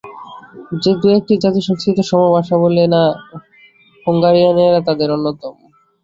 যে দু-একটি জাতি সংস্কৃত-সম ভাষা বলে না, হুঙ্গারীয়ানেরা তাদের অন্যতম।